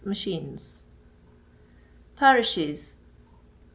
Martin's Parishes.